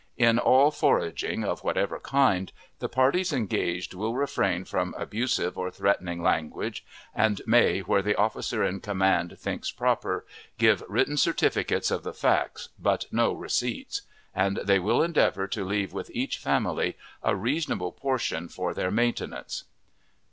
In all foraging, of whatever kind, the parties engaged will refrain from abusive or threatening language, and may, where the officer in command thinks proper, give written certificates of the facts, but no receipts; and they will endeavor to leave with each family a reasonable portion for their maintenance, 7.